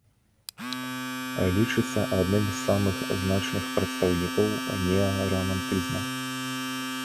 Лічыцца адным з самых значных прадстаўнікоў неарамантызму.